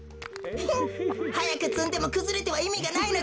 フンはやくつんでもくずれてはいみがないのです。